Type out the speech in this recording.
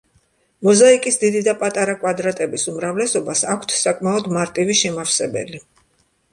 მოზაიკის დიდი და პატარა კვადრატების უმრავლესობას აქვთ საკმაოდ მარტივი შემავსებელი.